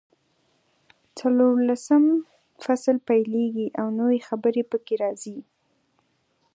څلورلسم فصل پیلېږي او نوي خبرې پکې راځي.